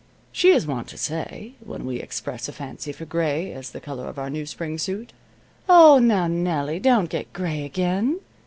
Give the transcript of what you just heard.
She is wont to say, when we express a fancy for gray as the color of our new spring suit: "Oh, now, Nellie, don't get gray again.